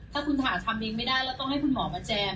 ถ้าคุณฐานทำนี้ไม่ได้แล้วต้องให้คุณหมอมาแจม